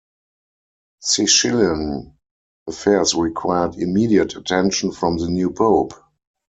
Sicilian affairs required immediate attention from the new Pope.